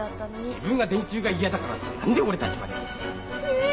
自分が電柱が嫌だからって何で俺たちまで。